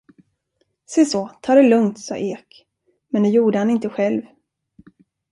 Seså, ta det lugnt, sade Ek, men det gjorde han inte själv.